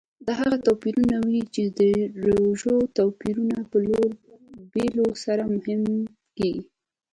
دا هغه توپیرونه وي چې د ژورو توپیرونو په لور بیولو سره مهم کېږي.